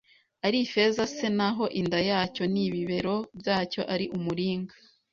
ari ifeza c naho inda yacyo n ibibero byacyo ari umuringa